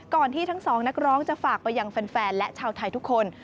ที่ทั้งสองนักร้องจะฝากไปยังแฟนและชาวไทยทุกคน